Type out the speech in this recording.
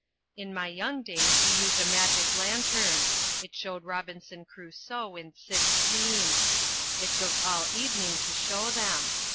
In my young days we used a magic lantern. It showed Robinson Crusoe in six scenes. It took all evening to show them.